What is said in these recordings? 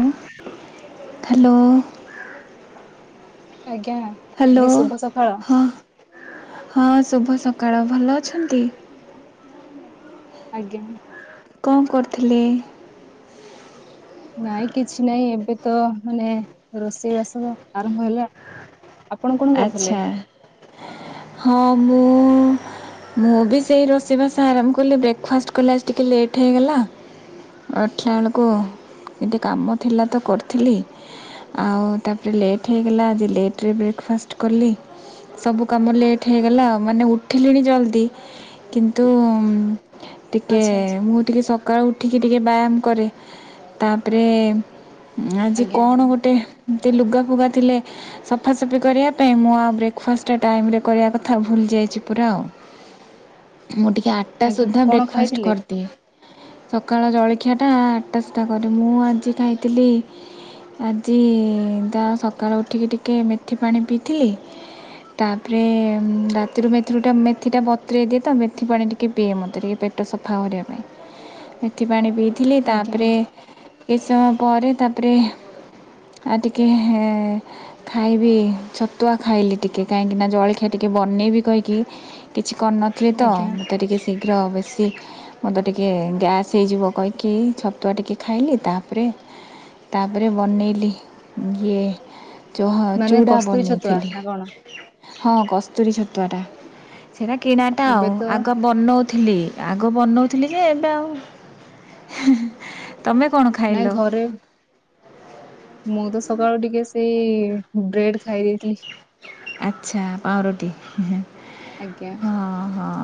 ଉଁ ହାଲୋ। ଆଜ୍ଞା ହାଲୋ ଦିଦି ଶୁଭ ସକାଳ ହଁ ହଁ ଶୁଭ ଶ କାଳ ଭଲ ଅଛନ୍ତି। ଆଜ୍ଞା। କଣ କରୁଥିଲେ? ନାଇଁ କିଛି ନାଇଁ ଏବେ ତ ମାନେ ରୋଷେଇ ବାସ ଆରମ୍ଭ ହେଲା ଆପଣ କଣ କରୁଥିଲେ? ଆଚ୍ଛା ହଁ ମୁଁ ମୁଁ ବି ସେଇ ରୋଷେଇବାସ ଆରମ୍ଭ କଲି ବ୍ରେକ୍ଫାଷ୍ଟ କଲା ଟିକିେ ଲେଟ୍ ହେଇଗଲା। ଏଠିଲ ବେଳକୁ ଗିକେ କାମ ଥିଲା ତ କରୁଥିଲି। ଆଉ ତାପରେ ଲେଟ୍ ହେଇଗଲା ଆଜି ଲେଟ୍ରରେ ବ୍ରେକ୍ଫାଷ୍ଟ କଲି ସବୁ କାମ ଲେଟ୍ ହେଇଗଲା ମାନେ ଉଠିଲିଣି ଜଲ୍ଦି କିନ୍ତୁ ଉଁ ଟିକେ ଆଚ୍ଛା ଆଚ୍ଛା ମୁଁ ଟିକେ ସକାଳ ଉ ଠି ଟିକେ ଟିକେ ବ୍ୟାୟାମ କରେ ତାପରେ ଆଜି ଆଜ୍ଞା କଣ ଗୋଟେ ଏମିତି ଲୁଗା ଫୁଗା ଥିଲେ ସଫାସଫି କରିବା ପାଇଁ ମୁଁ ଆଉ ବ୍ରେକ୍ଫାଷ୍ଟଟା ଟାଇମରେ କରିବା କଥା ଭୁଲି ଯାଇଚି ପୁରା ଆଉ। ମୁଁ ଟିକିଏ ଆଠଟା ଆଜ୍ଞା ସୁଦ୍ଧା କଣ ବ୍ରେକ୍ଫାଷ୍ଟ ଖାଇଥିଲେ କରିଦିଏ। ସକାଳ ଜଳଖିଆଟା ଆଠଟାଶଟା କରେ ମୁଁ ଆଜି ଖାଇଥିଲି ଆଜି ତା ସକାଳ ଉଠିକି ଟିକେ ମେଥି ପାଣି ପିଇଥିଲି। ତାପରେ ରାତିରୁ ମେଥିରୁ ଟା ମେଥି ଟା ବତ୍ରେଇ ଦିଏ ତ ମେଥି ପାଣି ଟିକେ ପିଏ ମୋତେ ଟିକେ ପେ ଟ ସଫା କରିବାପାଇଁ ମେଥି ପାଣି ପିଇଥିଲ ଆଜ୍ଞା ତାପରେ ଆଜ୍ଞା କିଛି ସମୟ ପରେ ତାପରେ ଆଉ ଟିକେ ଖାଇବି ଛ ତୁଆ ଖାଇଲି ଟିକେ କାହିଁକି ନା ଜଳଖିଆ ଟିକେ ବନେଇବି କହିକି କିଛି କରିନଥିଲି ତ ଆଜ୍ଞା ମୋତେ ଟିକେ ଶିଖ ଶୀଘ୍ର ବେଶୀ ମୋତେ ଟିକେ ଗ୍ୟାସ୍ ହେଇଯିବ କହିକି ଛତୁଆ ଟିକେ ଖାଇଲି ତାପରେ ତାପରେ ବନେଇଲି ଇଏ ଯୋଉ ହଁ ମାନେ ଚୁଡ଼ା କସ୍ତୁରୀ ବନେଇଲି। ଛତୁଆ ନା କଣ? ହଁ କସ୍ତୁରୀ ଛତୁଆ ଟା ସେଇଟା କିଣାଟା ଏବେ ଆଉ ତ ଆଗୁଆ ବନୋଉ ଥିଲ। ଆଗ ବନଉଥିଲି ଯେ ଏବେ ଆଉ ହେ ହେ ତମେ କଣ ନାଇଁ ଖାଇଲ? ଘରେ ମୁଁ ତ ସକାଳୁ ଟିକେ ସେଇ ବ୍ରେଡ ଖାଇ ଦେଇେଇଥିଲି। ଆଛା ପାଁରୁଟି ହଁ ଆଜ୍ଞା ହଁ।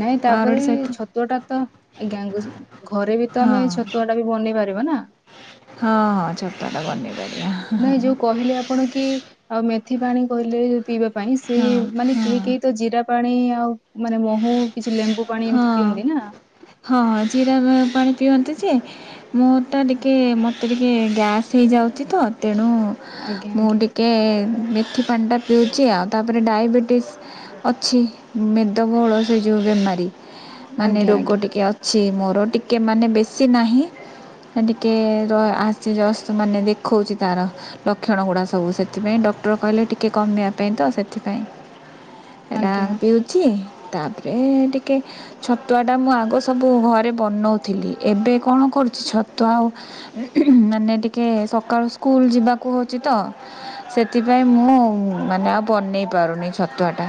ନାଇଁ ତାପରେ ପାଉଁରୁଟି ସହିତ ଛତୁଆ ଟା ତାଙ୍ଗ ଘରେ ବି ତ ହଁ ଆମେ ଛତୁଆ ଟା ବି ବନେଇ ପାରିବା ନା ହଁ ହଁ ଛତୁଆ ଟା ବନେଇ ପାରିବା। ନାଇଁ ଯୋଉ କହିଲେ ଆପଣ କି ଆଉ ମେଥି ପାଣି କହିଲେ ପିଇବା ପାଇଁ ସେ ହଁ ମାନେ ହଁ କେହି କେହି ତ ଜିରା ପାଣି ଆଉ ମାନେ ମହୁ କିଛି ଲେମ୍ବୁ ପାଣି ଏମିତି ହଁ ପିଅନ୍ତି ନା ପିଅନ୍ତୁ ଯେ ମୋରଟା ଟିକେ ମୋତେ ଟିକେ ଗ୍ୟାସ୍ ହେଇଯାଉଚି ତ ତେଣୁ ଆଜ୍ଞା ମୁଁ ଆଜ୍ଞା ଟିକେ ମେ ଏଥି ପାଣିଟା ପିଉଛି ଆଉ ତାପରେ ଡାଇବେଟିସ୍ ଅଛି ମ ଏତ ବହୁଳ ସେଇ ଯୋଉ ବେମାରୀ ମାନେ ଆଜ୍ଞା ରୋଗ ଆଜ୍ଞା ଟିକେ ଅଛି ମୋର ଟିକେ ମାନେ ବେଶୀ ନାହିଁ। ଟିକେ ର ଆସି ମାନେ ଦେଖୋଉଚି ତାର ଲକ୍ଷଣ ଗୁଡା ସବୁ ସେଥିପାଇଁ ଡକ୍ଟର କହିଲେ ଟିକେ କମେଇବା ପାଇଁ ତ ସେଥିପାଇଁ ଏଟା ଆଜ୍ଞା ପିଉଚି। ତାପରେ ଟିକେ ଛତୁଆଟା ମୁଁ ଆଗ ସବୁ ଘରେ ବନଉଥିଲି ଏବେ କଣ କରୁଚି ଛତୁଆଉ ମାନେ ଟିକେ ସକାଳୁ ସ୍କୁଲ ଯିବାକୁ ହେଉଛି ତ ସେ ସେଥିପାଇଁ ମୁଁ ମାନେ ଆଉ ବନେଇ ପାରୁନି ଛତୁଆ ଟା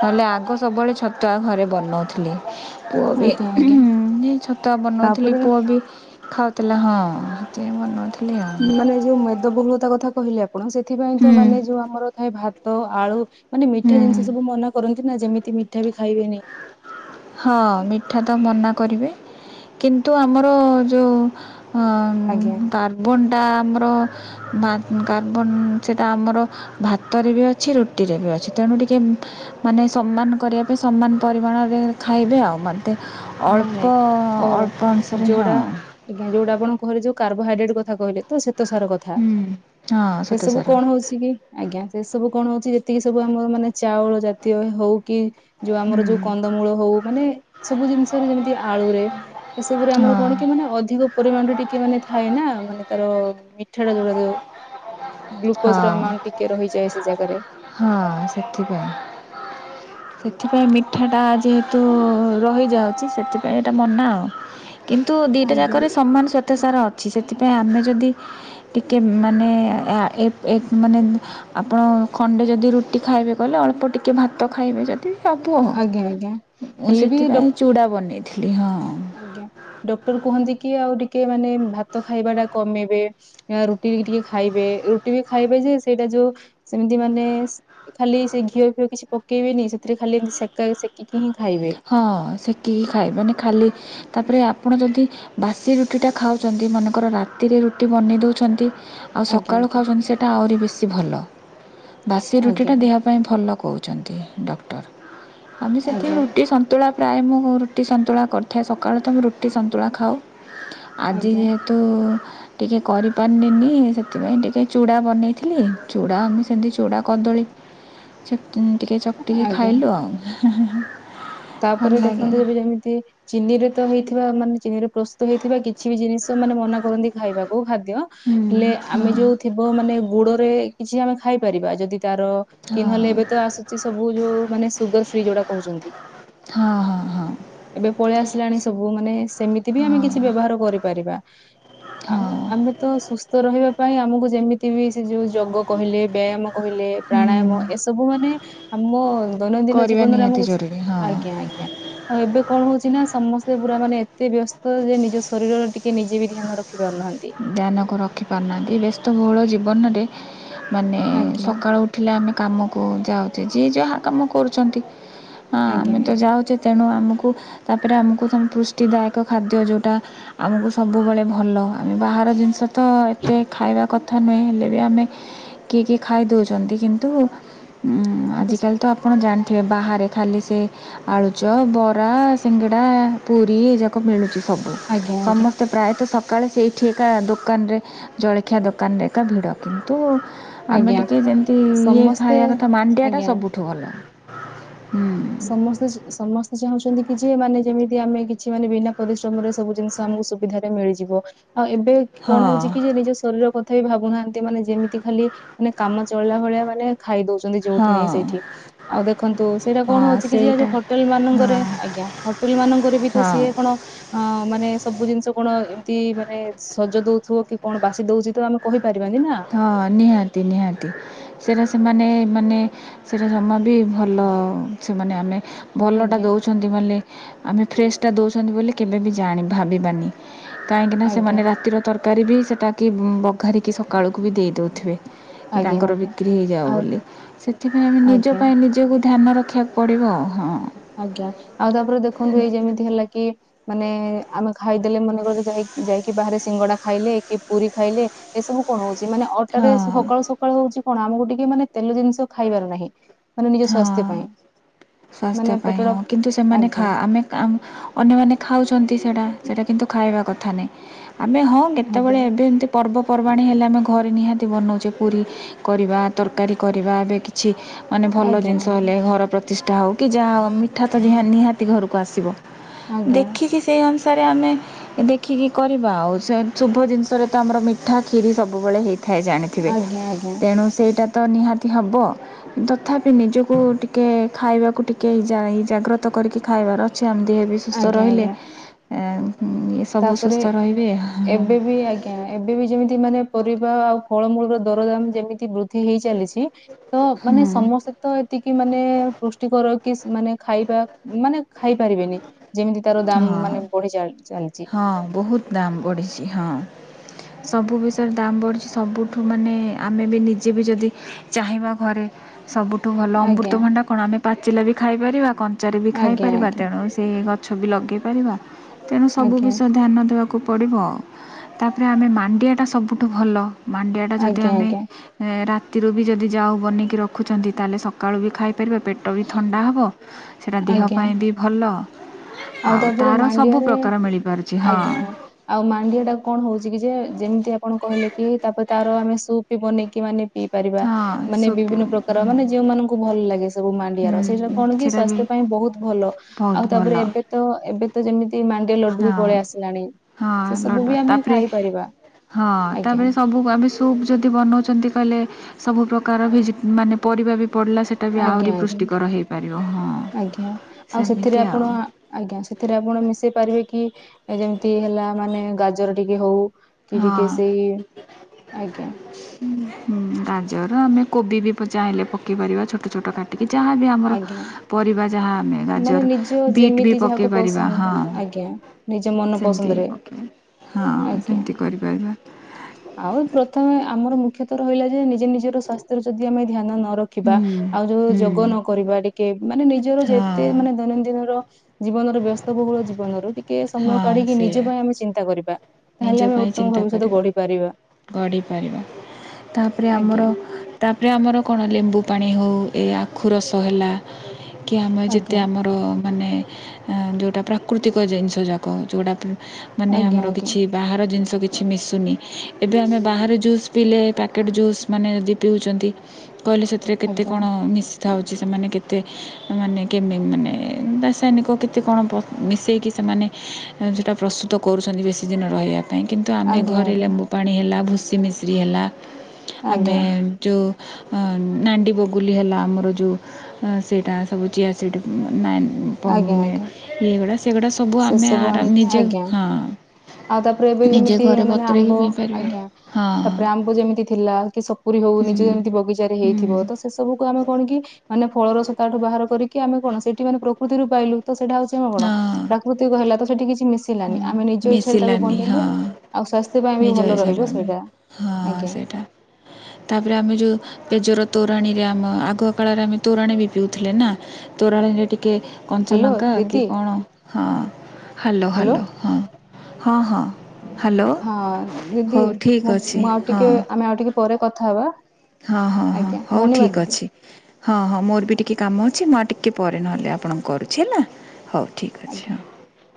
ନହେଲେ ଆଗ ସବୁବେଳେ ଛ ଛତୁଆ ଘରେ ବନାଉଥିଲି। ପୁଅ ବି ଆଜ୍ଞା ଆଜ୍ଞା ଛତୁଆ ବନଉଥିଲି ତାପରେ ପୁଅ ବି ଖାଉଥିଲା ହଁ। ସେଥିପାଇଁ ବନୋଉଥି ମାନେ ଯୋଉ ମେଦବହୁଳତା କଥା କହିଲେ ଆପଣ ସେଥିାଇଁ ତ ହୁଁ ମାନେ ଯୋଉ ଆମର ଥାଏ ଭାତ ତ ଆଳୁ ମାନେ ମିଠା ହୁଁ ଜିନିଷ ସବୁ ମନା କରନ୍ତି ନା ଯେମିତି ମିଠା ବି ଖାଇବେନି ହଁ ମିଠା ତ ମନା କରିବେ କିନ୍ତୁ ଆମର ଜୋଉ ହ ଆଜ୍ଞା କାର୍ବାନ ଟା ଆମର ଭା କାର୍ବନ ସେଟା ଆମର ଭାତରେ ଅଛି ରୁଟିରେ ଅଛି ତ ତେଣୁ ଟିକେ ମାନେ ସମାନ କରିବା ପାଇଁ ସମାନ ପରିମାଣରେ ଖାଇବେ ଆଉ ମେ ତ ମତ ନାଇଁ ନାଇଁ ଅଳ୍ପ ଓ ଅଳ୍ପ ଅନୁସାରେ ହଁ । ହିଲି ଯୋଉ କାର୍ବୋହାଇଡ୍ରେଟ କଥା କହିଲ ତ ସେ ତ ସାର କଥା ହଁ ସେ ସବୁ ଶ୍ୱେତସାର କଣ ହଉଛି କି ଆଜ୍ଞା ସେ ସବୁ କଣ ହଉଛି ଯେତିକି ସବୁ ଆମର ମାନେ ଚାଉଳ ଜାତୀୟ ହୋଉ କି ଯୋଉ ଆମର ଯୋଉ ହଁ କନ୍ଦମୂଳ ହୋଉ ମାନେ ସବୁ ଜିନିଷ ମିତି ଆଳୁରେ ଏସବୁରେ ଆମର କଣ କି ମାନେ ଅଧିକ ପରିମାଣରେ ଟିକେ ମାନେ ଥାଏ ନା ମାନେ ତାର ମିଠାଟା ହୋଉଟା ତାର ହଁ ଗ୍ଲୁକୋଜ ର ଆମାଉଣ୍ଟ ଟିକେ ରହିଯାଏ ସେ ଜାଗାରେ ସେ। ସେଥିପାଇଁ ମିଠାଟା ଯେହେତୁ ରହିଯାଉଛି ସେଥିପାଇଁ ଏଇଟା ମନା ଆଉ କିନ୍ତୁ ଦିଟା ଆଜ୍ଞା ଜାକରେ ସମାନ ସ୍ଵେତ ସାରା ଅଛି ସେଥିପାଇଁ ସେଥିପାଇଁ ଆମେ ଯଦି ଟିକେ ମାନେ ଆ ଏ ଏ ମାନେ ଆପଣ ଖଣ୍ଡେ ଯଦି ରୁଟି ଖାଇବେ କହିଲେ ଅଳ୍ପ ଟିକିଏ ଭାତ ଖାଇବେ ଯଦି ସବୁ ଓହୋ ଆଜ୍ଞା ଆଜ୍ଞା ମୁଁ ହେଲେ ବି ଡ ସେଥିପାଇଁ ଚୁଡା ବନେଇ ଆଜ୍ଞା ଡକ୍ଟର କୁହନ୍ତି କି ଆଉ ଟିକେ ଟିକେ ମାନେ ଭାତ ଖାଇବା ଟା କମେଇବେ ୟା ରୁଟି ଟିକେ ଖାଇବେ ରୁଟି ବି ଖାଇବେ ଯେ ସେଟା ଯୋଉ ସେମିତି ମାନେ ଖାଲି ସେ ଘିଅ ଫିଅ କିଛି ପକେଇବେନି ସେଥିରେ ଖାଲି ଏମିତି ସେକା ସେକିକି ହିଁ ଖା ହଁ ସେକିକି ଖାଇ ମାନେ ଖାଲି ତାପରେ ଆପଣ ଯଦି ବାସି ରୁଟିଟା ଖାଉଛନ୍ତି ମନେକର ରାତିରେ ରୁଟି ବନେଇ ଦଉଛନ୍ତି ଆଉ ଆଜ୍ଞା ସକାଳୁ ଆଜ୍ଞା ଖାଉଛନ୍ତି ସେଇଟା ଆହୁରି ବେଶୀ ଭଲ। ବାସି ଆଜ୍ଞା ରୁଟିଟା ଦେହ ପାଇଁ ଭଲ କହୁଛନ୍ତି ଡକ୍ଟର ଆମେ ସେଥି ଆଜ୍ଞା ରୁ ସନ୍ତୁଳା ପ୍ରାୟ ମୁଁ ରୁଟି ସନ୍ତୁଳା କରିଥାଏ ସକାଳୁ ତ ମୁଁ ରୁଟି ସନ୍ତୁଳା ଖାଉ। ଆଜି ଆଜ୍ଞା ଯେହେତୁ ଟିକେ କରିପାରିଲିନି ସେଥିପାଇଁ ଟିକେ ଚୁଡ଼ା ବନେଇଥିଲି ଚୁଡ଼ା ଆମେ ସେମିତି ଚୁଡ଼ା କଦଳୀ ସେ ଏଁ ଟିକେ ଚକଟି ଆଜ୍ଞା ଖାଇଲୁ ଆଉ ହେଁ-ହେଁ-ହେଁ। ତାପରେ ଦେଖନ୍ତୁ ଯେବେ ଯେମିତି ଚିନି ରୁ ତ ହେଇଥିବ ମାନେ ଚିନି ପ୍ରସ୍ତୁତ ହେଇଥିବା କିଛି ବି ଜିନିଷ ମାନେ ମନା କରନ୍ତି ଖାଇବାକୁ ଖା ଦ୍ୟ ହଁ ହେଲେ ହଁ ଆମେ ଯୋଉ ଥିବ ମାନେ ଗୁଡରେ କିଛି ଆମେ ଖାଇପାରିବା ଯଦି ତାର କି ନହେଲେ ଏବେ ତ ଆସୁଛି ସବୁ ଯୋଉ ମାନେ ସୁଗର ଫ୍ରି ଯୋଉଟା କହୁଛନ୍ତି ହଁ ହଁ ହଁ ଏବେ ପଳେଇ ଆସିଲାଣି ସବୁ ମାନେ ସେମିତି ବି ଆମେ କିଛି ହଁ ବ୍ୟବହାର କରିପା ପାରିବା ଆଉ ହଁ ହଁ ଆମେ ତ ସୁସ୍ଥ ରହିବା ପାଇଁ ଆମକୁ ଯେମିତି ବି ସେ ଯୋଉ ଯୋଗ କହିଲେ ବ୍ୟାୟାମ କହିଲେ ପ୍ରାଣାୟାମ ଏସବୁ ମାନେ ଆମୋ ଦୈନନ୍ଦିନ କରିବା ଜୀବନରେ ନିହାତି ଆମକୁ ଜରୁରୀ ହଁ ଆଜ୍ଞା ଆଜ୍ଞା ଆଉ ଏବେ କଣ ହଉଛି ନା ସମସ୍ତେ ପୁରା ମାନେ ଏତେ ବ୍ୟସ୍ତ ଯେ ନିଜ ଶରୀର ର ଟିକ ନିଜେ ବି ଧ୍ୟାନ ରଖ ଧ୍ୟାନକୁ ରଖି ପାରୁନାହାନ୍ତି ବ୍ୟସ୍ତବହୁଳ ଜୀବନରେ ମାନେ ଆଜ୍ଞା ସକାଳୁ ଉଠିଲେ ଆମେ କାମକୁ ଯାଉଛେ ଯିଏ ଯାହା କାମ କରୁଛନ୍ତି ହଁ ଆଜ୍ଞା ଆମେ ତ ଆଜ୍ଞା ଯାଉଛେ ତେଣୁ ଆମ କୁ ତାପରେ ଆମକୁ ପୁଷ୍ଟିଦାୟକ ଖାଦ୍ୟ ଯେଉଁଟା ଆମକୁ ସବୁବେଳେ ଭଲ। ଆମେ ବାହାର ଜିନିଷ ତ ଏତେ ଖାଇବା କଥା ନୁହେଁ ହେଲେ ବି ଆମେ ଟିକେ ଟିକେ ଖାଇ ଦେଉଛନ୍ତି। କିନ୍ତୁ ବସ୍- ଆଜିକାଲି ତ ଆପଣ ଜାଣିଛନ୍ତି। ବାହାରେ ଖାଲି ସେ ଆଳୁଚପ ବରା ସିଙ୍ଗଡ଼ା ପୁରୀ ଏଯାକ ମିଳୁଛି। ସବୁ ଆଜ୍ଞା ଆଜ୍ଞା ସମସ୍ତେ ପ୍ରାୟତଃ ସକାଳେ ସେଇ ଛି କା ଦୋକାନରେ ଜଳଖିଆ ଦୋକାନରେ ଭିଡ଼ କିନ୍ତୁ ଆମେ ଆଜ୍ଞା ଟିକେ ଯେମତି ଇଏ ସମସ୍ତେ ଖାଇବା କଥା ମାଣ୍ଡିଆ ଟା ଆଜ୍ଞା ସବୁଠୁ ଭଲ। ସମସ୍ତେ ସମସ୍ତେ ଚାହୁଁଛନ୍ତି କିଛି ଛି ମାନେ ଯେମିତି ଆମେ କିଛି ମାନେ ବିନା ପରିଶ୍ରମରେ ସବୁ ଜିନିଷ ଆମକୁ ସୁବିଧାରେ ମିଳିଯିବ। ଆଉ ଏବେ କଣ ହଁ ହଉଛି କି ଯେ ନିଜ ଶରୀର କ ତଥାବି ଭାବୁନାହାନ୍ତି ମାନେ ଯେମିତି ଖାଲି ମାନେ କାମ ଚଳିଲା ଭଳିଆ ମାନେ ଖାଇ ଦଉଛନ୍ତି। ଯୋଉଠି ନାଇଁ ହଁ ସେଇଠି ଆଉ ଦେଖନ୍ତୁ ସେଇଟା କଣ ହଁ ହଉଛି କି ଯିଏ ଯୋଉ ସେଇଟା ହୋଟେଲ ମାନଙ୍କରେ ହଁ ଆଜ୍ଞା ହୋଟେଲ ମାନଙ୍କରେ ବି ତ ହଁ ସିଏ କଣ ଅ ମାନେ ସବୁ ଜିନିଷ କଣ ଏମିତି ମାନେ ସଜ ଦଉଥିବ କି କଣ ବାସି ଦଉଛି ତ ଆମେ କହିପା ହଁ ନିହାତି ନିହାତି ସେଟା ସେମାନେ ମାନେ ମାନେ ସେଇଟା ଜମା ବି ଭଲ ସେମାନେ ଆମେ ଭଲଟା ଆଜ୍ଞା ଦଉଛନ୍ତି ବଲି ଆମେ ଫ୍ରେଶଟା ଦଉଛନ୍ତି ବୋଲି କେବେ ବି ଜାଣି ଭାବିବାନି। କାହିଁକିନା ଆଜ୍ଞା ସେମାନେ ରାତିର ତରକାରୀ ବି ସେଟାକ ବଘାରିକି ସକାଳୁକୁ ବି ଦେଇ ଦେଉଥିବେ। କି ଆଜ୍ଞା ତାଙ୍କର ଆଜ୍ଞା ବିକ୍ରି ହେଇଯାଉ ଆଉ ବୋଲି ସେଥିପାଇଁ ଆମେ ନିଜ ଆଜ୍ଞା ପାଇଁ ନିଜକୁ। ଧ୍ୟାନ ରଖିବାକୁ ପଡ଼ିବ ଆଉ ହଁ। ଆଜ୍ଞା ଆଉ ତାପରେ ଦେଖନ୍ତୁ ଏଇ ଯେମିତି ହେଲା କି? ମାନେ ଆମେ ଖାଇଦେଲେ ମାନେ କିଛି ଯାଇ ଯାଇକି ବାହାରେ ସିଙ୍ଗଡା ଖାଇଲେ କି ପୁରୀ ଖାଇଲେ ଏସବୁ କଣ ହଉଛି? ମାନେ ଅଟାରେ ହଁ ସକାଳୁ ସକାଳୁ ହଉଛି କଣ ଆମକୁ ଟିକେ ମାନେ ତେଲ ଜିନିଷ ଖାଇବାର ନାହିଁ। ମାନେ ନିଜ ସ୍ୱାସ୍ଥ୍ୟ ହଁ ପାଇଁ। ସ୍ୱାସ୍ଥ୍ୟ ମାନେ ପାଇଁ ପେଟଟା ହୋଉ। କିନ୍ତୁ ସେମାନେ ଆଜ୍ଞା ଆମେ ଅନ୍ୟମାନେ ଖାଉଛନ୍ତି। ସେଟା ସେଟା କିନ୍ତୁ ଖାଇବା କଥା ନାହିଁ ଆମେ ହଁ କେତେବେଳେ ଆଜ୍ଞା ଏବେ ଏମିତି ପର୍ବ ପର୍ବାଣୀ ହେଲେ ଆମେ ଘରେ ନିହାତି ବନଉଛେ ପୁରୀ କରିବା ତରକାରୀ କରିବା ଏବେ କିଛି ମାନେ ଭଲ ଆଜ୍ଞା ଜିନିଷ ଆଜ୍ଞା ହେଲେ ଘର ପ୍ରତିଷ୍ଠା ହଉ କି ଯାହା ହଉମ ଉଠା ତ ନିହାତି ଘରକୁ ଆସିବ ଆଜ୍ଞା ଦେଖିକି ସେଇ ସାରେ ଆମେ ଦେଖିକି କରିବା ଆଉ ସେ ଶୁଭ ଜିନିଷରେ ତ ଆମର ମିଠା କ୍ଷୀରି ସବୁବେଳେ ହେଇ ଥାଏ ଜାଣିଥିବେ ଆଜ୍ଞା ଆଜ୍ଞା ତେଣୁ ସେଇଟା ତ ନିହାତି ହେବ କି ତ ତଥାପି ନିଜକୁ ଟିକେ ଖାଇବାକୁ ଟିକେଇ ଯାଇ ଜାଗ୍ରତ କରିକି ଖାଇବାର ଅଛି। ଆମ ଦେହ ବି ସୁସ୍ଥ ଆଜ୍ଞା ରହିଲେ ଆଜ୍ଞା ସବୁ ତାପରେ ସୁସ୍ଥ ରହିବେ ହଁ ଏବେ ବି ଆଜ୍ଞା ଏବେ ବି ଯେମିତି ମାନେ ପରିବା ଆଉ ଫଳମୂଳ ର ଦର ଦାମ ଯେମିତି ବୃଦ୍ଧି ତ ହେଇ ଚାଲିଛି ତ ମାନେ ସମସ୍ତେ ତ ଏତିକି ମାନେ ପୁଷ୍ଟିକର କିସ୍ ମାନେ ଖାଇବା ମାନେ ଖାଇ ପାରିବେନି ଯେମିତି ତାର ହଁ ଦାମ ମାନେ ବଢି ଚା ଚାଲିଛି। ହଁ ବହୁତ ଦାମ୍ ବଢ଼ିଛି ହଁ ସବୁ ବିଷୟରେ ଦାମ୍ ବଢ଼ିଛି ସବୁ ଠୁ ମାନେ ଆମେ ବି ନିଜେ ବି ଯଦି ଚାହିଁବା ଘରେ ସବୁଠୁ ଭଲ ଆଜ୍ଞା ଅମୃତଭଣ୍ଡା କଣ ଆମେ ପାଚିଲେ ବି ଖାଇପାରିବା କଞ୍ଚାରେ ବି ଆଜ୍ଞା ଖାଇପାରିବା। ଆଜ୍ଞା ତେଣୁ ସେ ଗଛ ବି ଲଗେଇ ପାରିବା ତେଣୁ ସବୁ ଆଜ୍ଞା ବିଷୟ ଧ୍ୟାନ ଦେବାକୁ କୁ ପଡ଼ିବ ଆ ତାପରେ ଆମେ ମାଣ୍ଡିଆଟା ସବୁଠୁ ଭଲ। ମାଣ୍ଡିଆଟା ଯଦି ଆଜ୍ଞା ଆମେ ଆଜ୍ଞା ରାତିରୁ ବି ଯଦି ଯାଉ ବନେଇକି ରଖୁଛନ୍ତି ତାହେଲେ ସକାଳୁ ବି ଖାଇ ପାରିଵ ପେଟ ବି ଥଣ୍ଡା ହେବ। ସେଇଟା ଦେହ ଆଜ୍ଞା ପାଇଁ ବି ଭଲ। ଆଉ ତାପରେ ତା'ର ସବୁ ମାଣ୍ଡିଆରେ ପ୍ରକାର ମିଳିପାରୁଛି ହଁ ଆଜ୍ଞା ଆଉ ମାଣ୍ଡିଆ ଟା କଣ ହଉଛି କି ଯେ ଯେମିତି ଆପଣ କହିଲେ କି ତାପରେ ତାର ଆମେ ସୁପ୍ ବନେଇକି ମାନେ ଇ ପାରିବା ହଁ ମାନେ ସୁପ୍ ବିଭିନ୍ନ ପ୍ରକାର ହଁ ମାନେ ଯୋଉ ମାନଙ୍କୁ ଭଲ ଲାଗେ ସବୁ ମାଣ୍ଡିଆର ସେଇଟା ହୁଁ କଣ କି ସେଟା ବି ସ୍ବାସ୍ଥ୍ୟ ପାଇଁ ବହୁତ ଭଲ ବହୁତ ଆଉ ଭଲ ତାପରେ ଏବେ ତ ଏବେ ତ ଯେମିତି ସେ ମାଣ୍ଡିଆ ଲଡୁ ହଁ ବି ପଳେଇ ଆସିଲାଣି ହଁ ସେ ସବୁ ଲଡ଼ୁଆ ବି ଆମେ ତାପରେ ଖାଇପାରିବା। ହଁ ତାପରେ ଆଜ୍ଞା ସବୁ ସୁପ୍ ଯଦି ବନଉଛନ୍ତି କହିଲେ? ସବୁ ପ୍ରକାର ଭେଜି ମାନେ ପରିବା ବି ପଡିଲା ସେଟା ବି ଆଜ୍ଞା ଆହୁରି ଆଜ୍ଞା ପୃଷ୍ଟିକର ହେଇପାରିବ ହଁ ଆଜ୍ଞା ଆଉ ସେଥିରେ ସେମିତି ଆପଣ ଆଉ। ଆଜ୍ଞା ସେଥିରେ ଆପଣ ମିଶେଇ ପାରିବେ କି ଯେମିତି ହେଲା ମାନେ ଗାଜର ଟିକେ ହଉ। କି ଟିକେ ହଁ ସେଇ ଆଜ୍ଞା। ଗାଜର ଆମେ କୋବି ବି ପଚା ହେଲେ ପକିପାରିବା ଛୋଟ ଛୋଟ ଛୋଟ କାଟିକି ଯାହାବି ଆମର ଆଜ୍ଞା ପରିବା ଯାହା ଆମେ ମାନେ ଗାଜର ନିଜ ବିଟ୍ ବି ଯେମିତି ଯାହାକୁ ପକେଇ ପାରିବା ହଁ ପସନ୍ଦ ହଁ ଆଜ୍ଞା ନିଜ ସେମିତି ଓକେ ହଁ। ଞ ସେମିତି କରିପାରିବା ଆଉ ପ୍ରଥମେ ଆମର ମୁ ମୁଖ୍ୟତ ରହିଲା ଯେ ନିଜେ ନିଜର ସ୍ୱାସ୍ଥ୍ୟ ର ଯଦି ଆମେ ଧ୍ୟାନ ନ ରଖିବା ହୁଁ ଆଉ ଯଉ ହୁଁ କରିବା ଟିକେ ମାନେ ନିଜର ଯେତେ ହଁ ମାନେ ଦୈନନ୍ଦିନର ଜୀବନର ବ୍ୟସ୍ତବହୁଳ ଜୀବନରୁ ଟିକେ କିଏ ସମୟ ହଁ କାଢିକି ସେଇଆ ନିଜ ପାଇଁ ଆମେ ଚିନ୍ତା କରିବା ତାହେଲେ ଆମେ ଉତ୍ତମ ଭବିଷ୍ୟତ ଗଢିପାରିବା । ଗଢିପାରିବା । ତାପରେ ଆମର ଆଜ୍ଞା ତାପରେ ଆମର କଣ ଲେମ୍ବୁ ପାଣି ହଉ ଏ ରଷ ହେଲା କି ଆମେ ଯେତେ ଆଜ୍ଞା ଆମର ମାନେ ଯେଉଁଟା ପ୍ରାକୃତିକ ଜିନିଷ ଯାକ ଯେଉଁଟା ମାନେ ଆଜ୍ଞା ଆମର ଆଜ୍ଞା କିଛି ବାହାର ଜିନିଷ କିଛି ମିଶୁନି ଏବେ ଆମେ ବାହାରେ ଜୁସ୍ ପିଇଲେ ପ୍ୟାକେଟ୍ ଜୁସ୍ ମାନେ ଯଦି ପିଉଛନ୍ତି କହିଲେ ସେଥିରେ ଆଜ୍ଞା କେତେକଣ ମିସ୍ ଉ ସେମାନେ କେତେ ମାନେ ମାନେ ରାସାୟନିକ କେତେ କଣ ମିଶି ସେମାନେ ସେଟା ପ୍ରସ୍ତୁତ କରୁଛନ୍ତି ବେଶୀ ଦିନ ରହିବାକୁ ପାଇଁ କିନ୍ତୁ ଆମେ ଆଜ୍ଞା ଘରେ ଆଜ୍ଞା ଲେମ୍ବୁ ପାଣି ହେଲା ଭୁସି ମିିଶ୍ରି ହେଲା ଆମେ ଆଜ୍ଞା ଯେଉଁ ନାଣ୍ଡି ବଗୁଲି ହେଲା ଆମର ଯେଉଁ ସେଇଟା ସବୁ ଚିଆସିଠ ଆଜ୍ଞା ପେ ଆଜ୍ଞା ଏଇଗୁଡ଼ା ସେଗୁଡ଼ା ସବୁ ସେ ଆମେ ଆର ଆଣିକି ନିଜେ ଆଜ୍ଞା ହଁ ଆଉ ତାପରେ ଏବେ ନିଜେ ଯେମିତି ଘରେ ମାନେ ଆମ୍ବ ବତୁରେଇକି ଆଜ୍ଞା ତାପରେ ଆମକୁ ଯେମିତି ଥିଲା କି ସପୁରୀ ହଉ ନିଜ ଯେମିତି ବଗିଚାରେ ହେଇଥିବ ତ ସେ ସବୁ କ ତମେ କଣ କି? ମାନେ ଫଳ ରସ ତାଠୁ ବାହାର କରିକି ଆମେ କଣ ସେଇଠି ମେ ପ୍ରକୃତିରୁ ପାଇଲୁ ତ ସେଇଟା ହଉଛି ଆମେ କଣ? ହଁ ହେଲା ତ ସେଠି କିଛି ମିଶିଲାନି ଆମେ ନିଜ ଇଛାରେ ତାକୁ ମିଶିଲାନି ବନେଇଲେ ହଁ ଆଉ ପାଇଁ ବି ନିଜ ଭଲ ରହିବ ହେଇସିଲୁ ଆମେ ସେଇଟା ହଁ ଆଜ୍ଞା ସେଇଟା ତାପରେ ଆମେ ଯୋଉ ପେଜର ତୋରାଣୀରେ ଆମ ଆଗ କାଳରେ ଆମେ ତୋରାଣ ବି ପିଉଥିଲେ ନା ତୋରାଣୀରେ ଟିକ କି ହ୍ୟାଲୋ କଞ୍ଚଲଙ୍କା କି ଦିଦି କଣ ହଁ ହ୍ୟାଲୋ ହାଲୋ ହଁ ହଁ ହଁ ହ୍ୟାଲୋ ହଁ ଦିଦି ହଉ ଠିକ୍ ମୁଁ ଅଛି ମୁଁ ଆଉ ହଁ ଟିକେ ଆମେ ଆଉ ଟିକେ ପରେ କଥା ହବା । ହଁ ହଁ ହଁ ହଉ ଠିକ ଅଛି ହଁ ହଁ ମୋର ବି ଟିକେ କାମ ଅଛି । ଅଛି ମୁଁ ଆ ଟିକିେ ପରେ ନହେଲେ ଆପଣଙ୍କୁ କରୁଛି ହେଲା ହଉ ଠିକ୍ ଅଛି ଆଜ୍ଞା। ହଁ ।